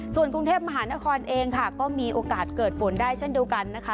ส่วนกรุงเทพมหานครเองค่ะก็มีโอกาสเกิดฝนได้เช่นเดียวกันนะคะ